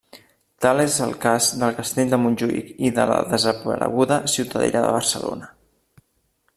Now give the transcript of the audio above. Tal és el cas del Castell de Montjuïc i de la desapareguda Ciutadella de Barcelona.